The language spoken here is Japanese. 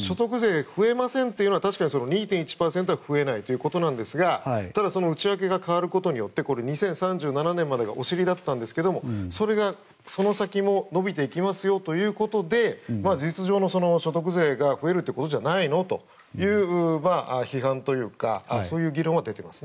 所得税増えませんというのは２．１％は増えないということなんですがただその内訳が変わることによって２０３７年までがお尻だったんですがそれがその先も延びていきますよということで事実上の所得税が増えるということではないの？という批判というか議論は出ています。